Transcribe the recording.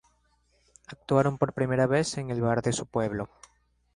Actuaron por primera vez en el bar de su pueblo.